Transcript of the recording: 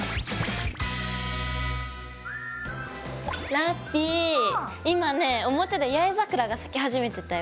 ラッピィ今ね表で八重桜が咲き始めてたよ。